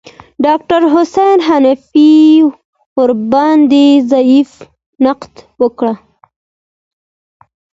ډاکتر حسن حنفي ورباندې ظریف نقد وکړ.